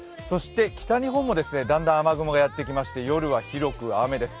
北日本もだんだん雨雲がやってきまして、夜は広く雨です。